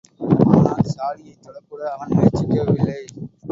ஆனால் சாடியைத் தொடக்கூட அவன் முயற்சிக்கவில்லை.